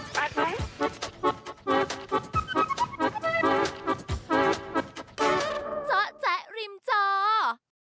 เจ้าแจ๊กริมเจ้า